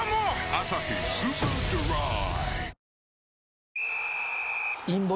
「アサヒスーパードライ」